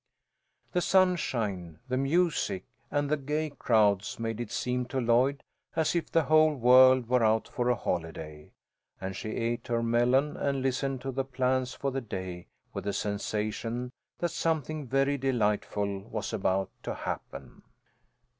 The sunshine, the music, and the gay crowds made it seem to Lloyd as if the whole world were out for a holiday, and she ate her melon and listened to the plans for the day with the sensation that something very delightful was about to happen.